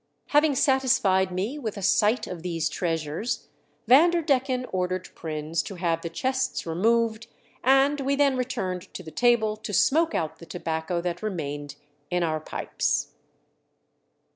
Having satisfied me with a sight of these treasures, Vanderdecken ordered Prins to have the chests removed, and we then re turned to the table to smoke out the tobacco that remained in our pipes.